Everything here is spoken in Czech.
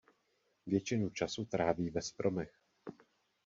Většinu času tráví ve stromech.